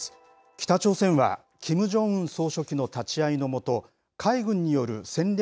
北朝鮮はキム・ジョンウン総書記の立ち会いの下、海軍による戦略